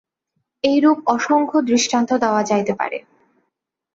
এইরূপ অসংখ্য দৃষ্টান্ত দেওয়া যাইতে পারে।